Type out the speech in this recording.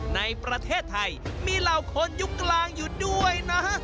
ในประเทศไทยมีเหล่าคนยุคกลางอยู่ด้วยนะ